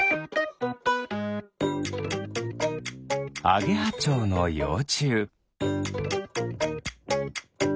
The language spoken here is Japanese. アゲハチョウの幼虫。